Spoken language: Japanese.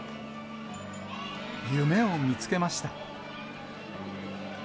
夢を見つけました。